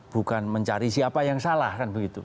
bukan mencari siapa yang salah kan begitu